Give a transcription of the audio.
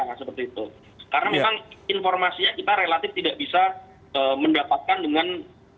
karena memang informasinya kita relatif tidak bisa mendapatkan dengan